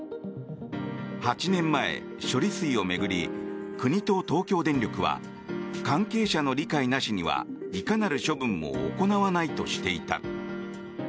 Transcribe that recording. ８年前、処理水を巡り国と東京電力は関係者の理解なしにはいかなる処分も行わないとしていた。